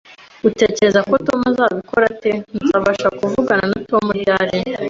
Utekereza ko Tom azabikora ate? Nzabasha kuvugana na Tom ryari?